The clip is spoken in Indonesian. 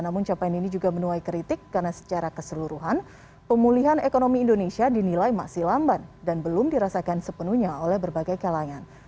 namun capaian ini juga menuai kritik karena secara keseluruhan pemulihan ekonomi indonesia dinilai masih lamban dan belum dirasakan sepenuhnya oleh berbagai kalangan